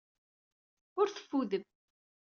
Ur teffudem.